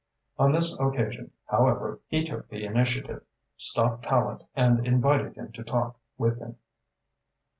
On this occasion, however, he took the initiative, stopped Tallente and invited him to talk with him.